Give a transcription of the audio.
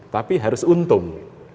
tapi harus untung